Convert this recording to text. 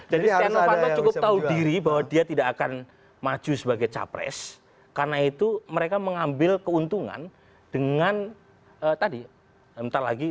jadi stia novanto cukup tahu diri bahwa dia tidak akan maju sebagai capres karena itu mereka mengambil keuntungan dengan tadi